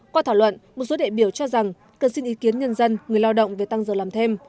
qua thảo luận một số đệ biểu cho rằng cần xin ý kiến nhân dân người lao động về tăng giờ làm thêm